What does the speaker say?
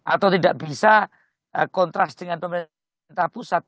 atau tidak bisa kontras dengan pemerintah pusat